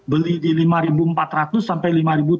beli di lima empat ratus sampai lima tujuh ratus